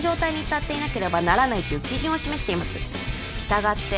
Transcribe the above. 至っていなければならないという基準を示しています従って